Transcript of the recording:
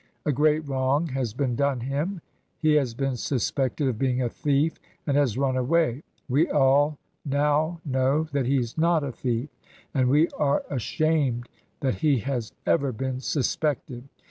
A great wrong has been done him. He has been suspected of being a thief, and has run away. We all now know that he's not a thief; and we are ashamed that he has ever been suspected.